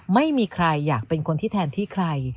ไม่มีใครอยากเป็นคนที่แทนที่ใคร